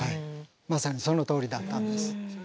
まさにそのとおりだったんです。